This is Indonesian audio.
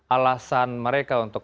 alasan mereka untuk